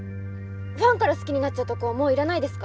ファンから好きになっちゃった子はもういらないですか？